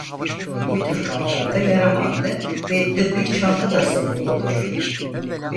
Bu tür kamplarda yara bandı ve tıbbi çanta da zorunludur.